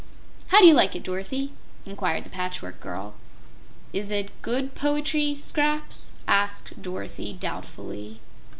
"How do you like it, Dorothy?" inquired the Patchwork Girl. "Is it good poetry, Scraps?" asked Dorothy, doubtfully.